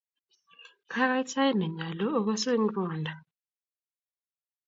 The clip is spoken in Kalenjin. Kagoit sait ne nyolu ogosu eng' ruondo.